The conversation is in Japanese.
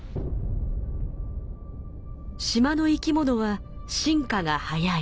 島の生きものは進化が速い。